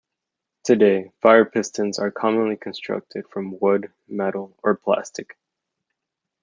Today, fire pistons are commonly constructed from wood, metal, or plastic.